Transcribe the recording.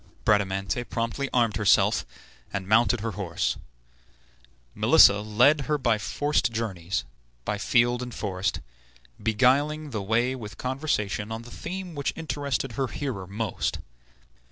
Bradamante promptly armed herself, and mounted her horse. Melissa led her by forced journeys, by field and forest, beguiling the way with conversation on the theme which interested her hearer most.